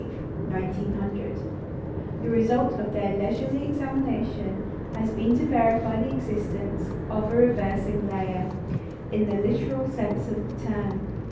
The result of their leisurely examination has been to verify the existence of a "reversing layer," in the literal sense of the term.